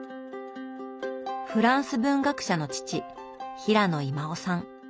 フランス文学者の父平野威馬雄さん。